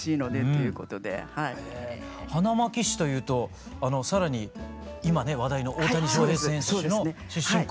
花巻市というと更に今ね話題の大谷翔平選手の出身校。